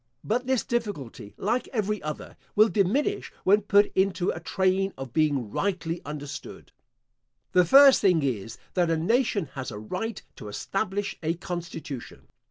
But this difficulty, like every other, will diminish when put into a train of being rightly understood. The first thing is, that a nation has a right to establish a constitution.